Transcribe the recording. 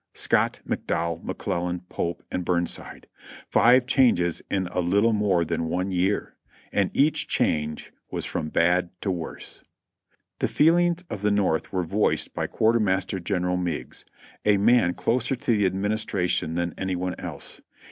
Scott, McDowell, McClellan, Pope and Burnside, — five changes in a little more than one year, and each change was from bad to worse. The feelings of the North were voiced by Quartermaster Gen eral Meigs, a man closer to the Administration than any one else.